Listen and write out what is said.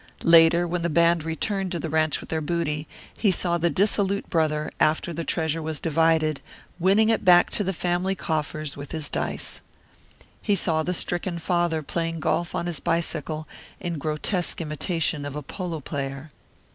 Later, when the band returned to the ranche with their booty, he saw the dissolute brother, after the treasure was divided, winning it back to the family coffers with his dice. He saw the stricken father playing golf on his bicycle in grotesque imitation of a polo player.